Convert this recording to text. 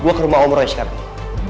gue ke rumah om roy sekarang